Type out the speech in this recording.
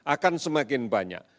akan semakin banyak